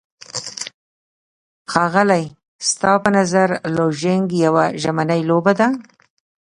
ښاغلی، ستاسو په نظر لوژینګ یوه ژمنی لوبه ده؟